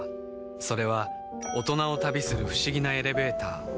それは大人を旅する不思議なエレベーター